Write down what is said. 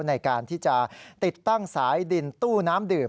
ในการที่จะติดตั้งสายดินตู้น้ำดื่ม